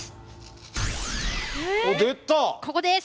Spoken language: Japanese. ここです。